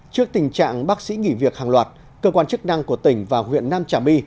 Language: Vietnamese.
trước tình trạng bác sĩ nghỉ việc hàng loạt cơ quan chức năng của tỉnh và huyện nam trà my